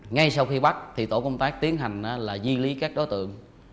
ngay sau khi bắt thì tổ công tác tiến hành là di lý các đối tượng